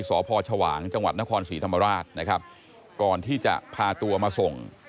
สพชวางจังหวัดนครศรีธรรมราชนะครับก่อนที่จะพาตัวมาส่ง